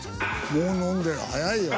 もう飲んでる早いよ。